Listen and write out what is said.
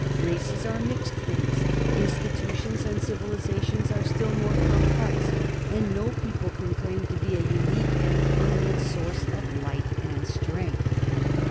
Races are mixed things, institutions and civilization are still more complex, and no people can claim to be a unique and permanent source of light and strength.